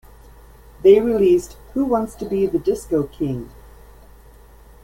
They released Who Wants to Be the Disco King?